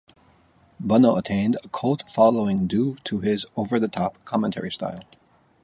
Bunnell attained a cult following due to his over-the-top commentary style.